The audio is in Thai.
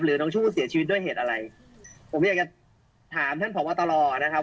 น้องชู่เสียชีวิตด้วยเหตุอะไรผมอยากจะถามท่านผอบตรนะครับ